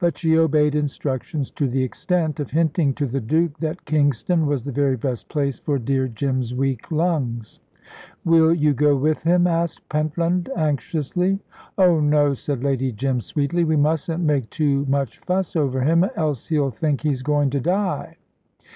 But she obeyed instructions to the extent of hinting to the Duke that Kingston was the very best place for dear Jim's weak lungs. "Will you go with him?" asked Pentland, anxiously. "Oh no," said Lady Jim, sweetly; "we mustn't make too much fuss over him, else he'll think he's going to die."